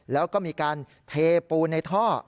แล้วก็มีการเทปูนในท่อ